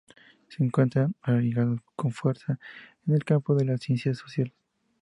Se encuentran arraigadas con fuerza en el campo de las ciencias sociales.